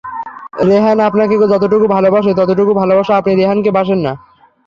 রেহান আপনাকে যতোটুকু ভালোবাসে ততটুকু ভালোবাসা আপনি রেহানকে ভাসেন না।